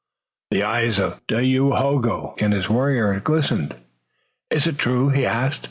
The eyes of Dayohogo and his warriors glistened. "Is it true?" he asked.